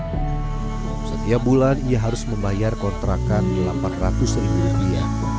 setiap bulan ia harus membayar kontrakan empat ratus ribu rupiah